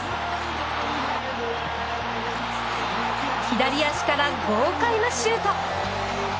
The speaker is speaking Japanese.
左足から豪快なシュート！